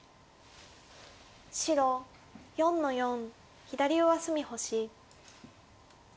白４の四左上隅星。